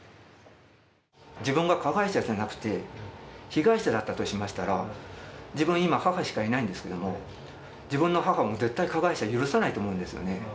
自分が加害者でなくて被害者だったとしましたら、自分、今、母しかいないんですけども、自分の母は加害者を許さないと思うんですね。